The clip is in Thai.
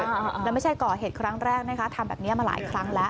แล้วไม่ใช่ก่อเหตุครั้งแรกนะคะทำแบบนี้มาหลายครั้งแล้ว